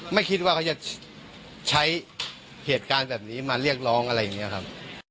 ไม่คิดว่าเขาจะใช้เหตุการณ์แบบนี้มาเรียกร้องอะไรอย่างนี้ครับ